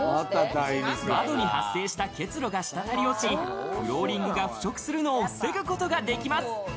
窓に発生した結露が滴り落ち、フローリングが腐食するのを防ぐことができます。